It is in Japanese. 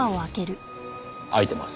開いてます。